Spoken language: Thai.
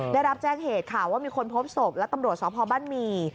ได้รับแจ้งเหตุค่ะว่ามีคนพบศพและตำรวจสพบ้านหมี่